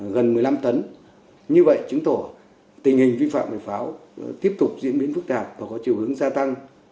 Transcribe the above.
gần một mươi năm tấn như vậy chứng tỏ tình hình vi phạm về pháo tiếp tục diễn biến phức tạp và có chiều hướng gia tăng